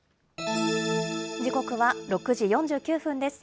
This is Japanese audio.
時刻は６時４９分です。